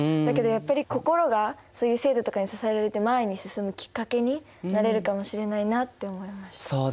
だけどやっぱり心がそういう制度とかに支えられて前に進むきっかけになれるかもしれないなって思いました。